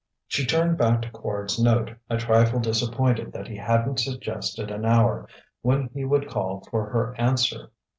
She turned back to Quard's note, a trifle disappointed that he hadn't suggested an hour when he would call for her answer.